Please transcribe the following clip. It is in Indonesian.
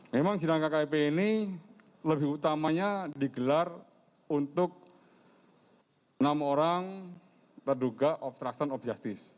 memang sidang kkip ini lebih utamanya digelar untuk enam orang terduga obstruction of justice